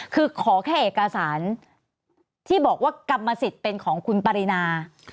คือขอแค่เอกสารที่บอกว่ากรรมสิทธิ์เป็นของคุณปรินา